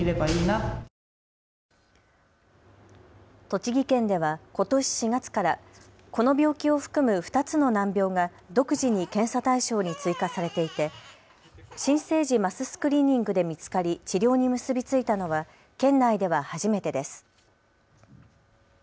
栃木県ではことし４月からこの病気を含む２つの難病が独自に検査対象に追加されていて新生児マススクリーニングで見つかり治療に結び付いたのは県内では初めてです。